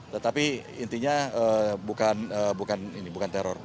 tetapi intinya bukan teror